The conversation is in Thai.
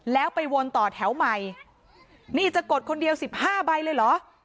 แล้วไปวนต่อแถวใหม่นี่จะกดคนเดียวสิบห้าใบเลยเหรอ